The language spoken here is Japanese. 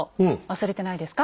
忘れてないですか？